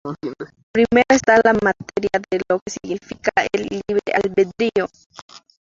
Primero está la materia de lo que significa el “libre albedrío".